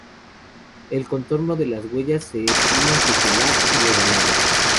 El contorno de las huellas se estima circular u ovalado.